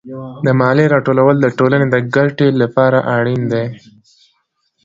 د مالیې راټولول د ټولنې د ګټې لپاره اړین دي.